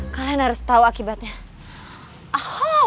kalian harus tau akibatnya